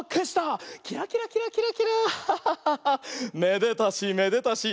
めでたしめでたし。